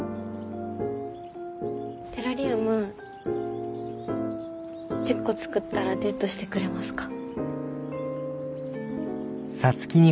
テラリウム１０個作ったらデートしてくれますか？